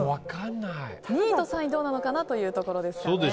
２位と３位どうなのかなというところですかね。